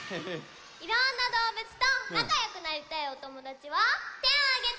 いろんなどうぶつとなかよくなりたいおともだちはてをあげて！